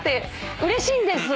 うれしいんです。